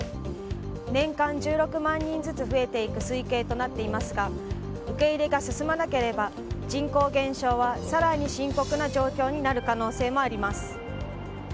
年間１６万人ずつ増えていく推計となっていますが受け入れが進まなければ人口減少は更に深刻な状況になる可能性もあります。